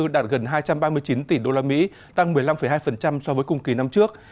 đạt gần hai trăm ba mươi chín tỷ usd tăng một mươi năm hai so với cùng kỳ năm trước